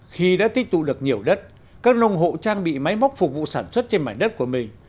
khi đã tích tụ được nhiều đất các nông hộ trang bị máy móc phục vụ sản xuất trên mảnh đất của mình